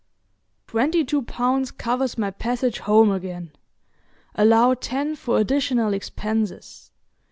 Twenty two pounds covers my passage home again. Allow ten for additional expenses.